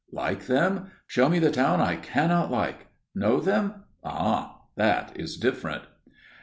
Like them? Show me the town I cannot like! Know them? Ah, that is different!